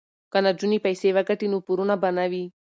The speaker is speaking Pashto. که نجونې پیسې وګټي نو پورونه به نه وي.